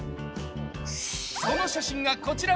その写真がこちら。